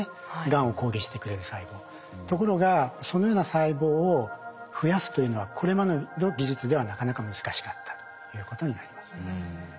ところがそのような細胞を増やすというのはこれまでの技術ではなかなか難しかったということになります。